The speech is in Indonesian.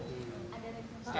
ada resiko pak